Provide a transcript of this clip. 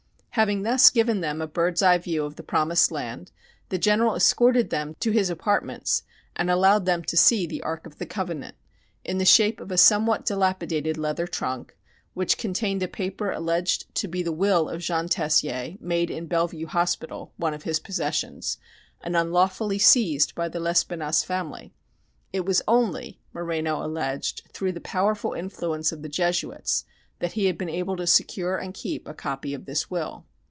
Having thus given them a bird's eye view of the promised land, the General escorted them to his apartments and allowed them to see the Ark of the Covenant in the shape of a somewhat dilapidated leather trunk, which contained a paper alleged to be the will of Jean Tessier, made in Bellevue Hospital (one of his possessions), and unlawfully seized by the Lespinasse family. It was only, Moreno alleged, through the powerful influence of the Jesuits that he had been able to secure and keep a copy of this will.